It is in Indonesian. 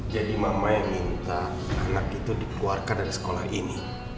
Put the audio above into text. jadi mama yang minta anak itu dikeluarkan dari sekolah ini